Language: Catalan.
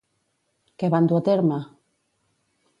Què van dur a terme?